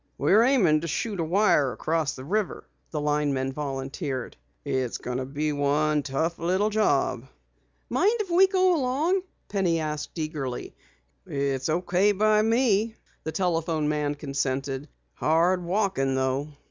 "We're aiming to shoot a wire across the river," the man volunteered. "It's going to be one tough little job." "Mind if we go along?" Penny asked eagerly. "It's okay with me," the telephone man consented. "Hard walking though."